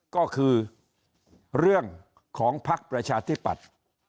ก็คือเรื่องของภักดิ์ประชาธิปัตย์